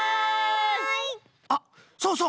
あっそうそう！